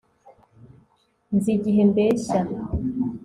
Nzi igihe mbeshya